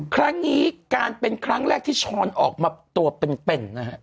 ครั้งนี้การเป็นครั้งแรกที่ช้อนออกมาตัวเป็นนะฮะ